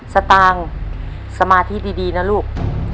สตางค์สมาธิดีนะลูก